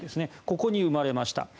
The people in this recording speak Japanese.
ここに生まれました。